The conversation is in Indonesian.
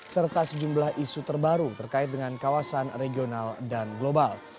serta sejumlah isu terbaru terkait dengan kawasan regional dan global